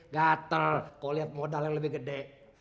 gatel kok liat modal yang lebih gede